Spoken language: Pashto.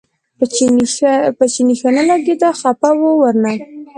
په چیني ښه نه لګېده خپه و ورنه.